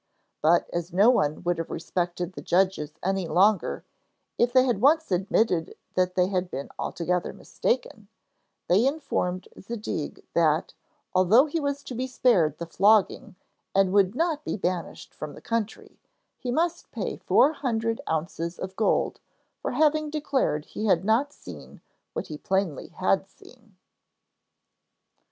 But as no one would have respected the judges any longer if they had once admitted that they had been altogether mistaken, they informed Zadig that, although he was to be spared the flogging and would not be banished from the country, he must pay four hundred ounces of gold for having declared he had not seen what he plainly had seen.